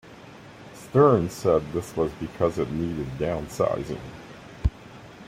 Stern said that this was because it needed downsizing.